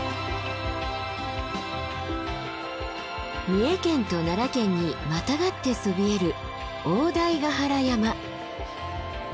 三重県と奈良県にまたがってそびえる大台ヶ原山。